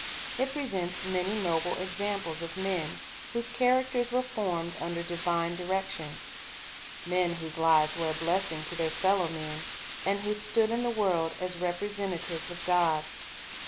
Jt presents many noble examples of men whose characters were formed under divine direction; men whose lives were a blessing to their fellow men, and who stood in the world as repre sentatives of God.